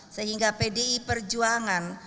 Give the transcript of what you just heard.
sehingga pdi perjuangan